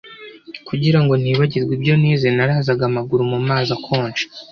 Kugirango ntibagirwa ibyo nize narazaga amaguru mumazi akonje